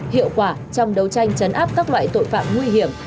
hiệu quả trong đấu tranh chấn áp các loại tội phạm nguy hiểm